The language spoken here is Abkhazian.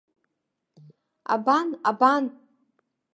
Абан, абан!